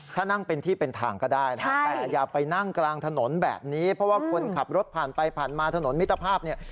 ถ้านั่งเป็นที่เป็นทางก็ได้นะแต่อย่าไปนั่งกลางถนนแบบนี้เพราะว่าคนขับรถผ่านไปผ่านมาถนนมิตรภาพเนี่ย